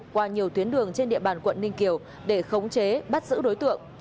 qua nhiều tuyến đường trên địa bàn quận ninh kiều để khống chế bắt giữ đối tượng